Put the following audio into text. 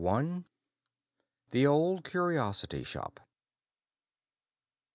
* *THE OLD CURIOSITY SHOP.